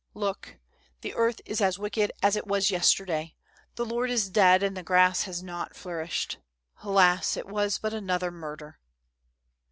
Look ; the earth is as wicked as it was yesterday. The Lord is dead and the grass has not flourished. Alas ! it was but another murder